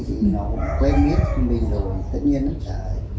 thì nó quen biết mình rồi tất nhiên là trả lời